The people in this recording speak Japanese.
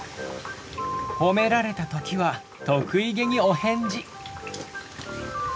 褒められた時は得意げにお返事。